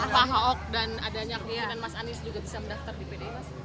pahok dan adanya dia dan mas anies juga bisa mendaftar di pd